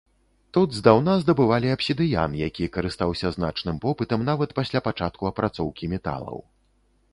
Тут здаўна здабывалі абсідыян, які карыстаўся значным попытам нават пасля пачатку апрацоўкі металаў.